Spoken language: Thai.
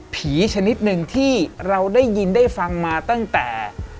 ชนิดหนึ่งที่เราได้ยินได้ฟังมาตั้งแต่